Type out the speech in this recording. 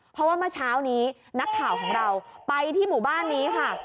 เพราะว่าเมื่อเช้านี้นักข่าวของเราไปที่หมู่บ้านนี้ค่ะ